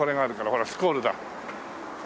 ほらスコールだ。